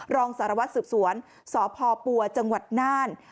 รองสารวัตรสืบสวนสพปัวจังหวัดน่าน